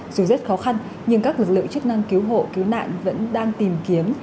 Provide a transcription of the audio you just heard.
dù rất khó khăn nhưng các lực lượng chức năng cứu hộ cứu nạn vẫn đang tìm kiếm